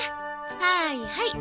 はいはい。